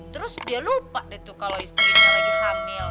terus dia lupa deh tuh kalau istrinya lagi hamil